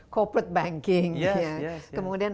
corporate banking kemudian